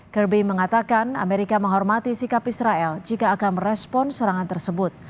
kerby mengatakan amerika menghormati sikap israel jika akan merespon serangan tersebut